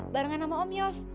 barengan sama om yos